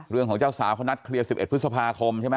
เรื่องของเจ้าสาวเขานัดเคลียร์๑๑พฤษภาคมใช่ไหม